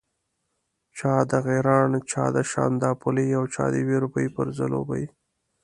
چا د غیراڼ، چا د شانداپولي او چا د یوې روپۍ پر ځلوبۍ.